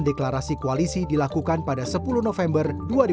dan menguatkan deklarasi koalisi dilakukan pada sepuluh november dua ribu dua puluh dua